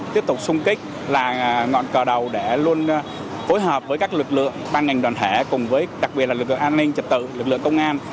tiếp tục sung kích là ngọn cờ đầu để luôn phối hợp với các lực lượng ban ngành đoàn thể cùng với đặc biệt là lực lượng an ninh trật tự lực lượng công an